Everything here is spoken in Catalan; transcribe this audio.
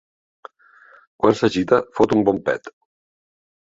Quan s'agita fot un bon pet.